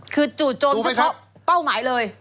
คือจู่โจมเฉพาะเป้าหมายเลย